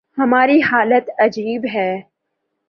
ہماری حالت عجیب ہے۔